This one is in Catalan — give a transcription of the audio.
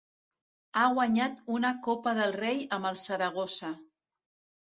Ha guanyat una Copa del Rei amb el Saragossa.